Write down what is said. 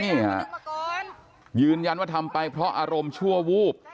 นี่ฮะยืนยันว่าทำไปเพราะอารมณ์ชั่ววูบ